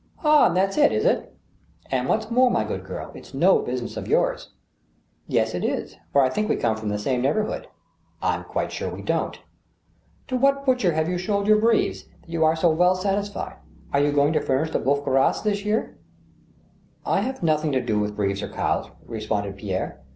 " AH, that's it, is it ?"" And what's more, my good girl, it's no business of yours !" "Yes, it is, for I think we come from the same neighbor hood." ." I'm quite sure we don't." " To what butcher have you sold your beeves, that you are so well satisfied? Are you going to furnish the bcsuf gras this yeai ?"" I have nothing to do with beeves or cows," responded Pierre.